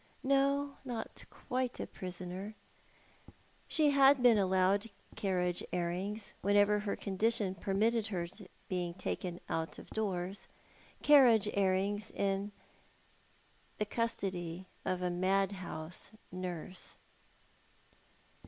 No, not quite a prisoner. She had been allowed carriage airings whenever her condition permitted her being taken out of doors — carriage airings in the custody of a mad house nurse.